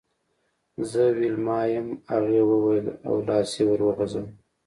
زه ویلما یم هغې وویل او لاس یې ور وغزاوه